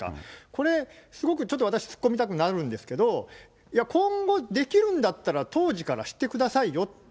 これ、すごくちょっと私、突っ込みたくなるんですけれども、今後できるんだったら、当時からしてくださいよって。